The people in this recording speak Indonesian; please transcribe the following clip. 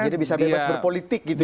jadi bisa bebas berpolitik gitu ya